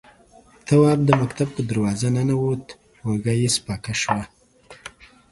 تواب د مکتب په دروازه ننوت، اوږه يې سپکه شوه.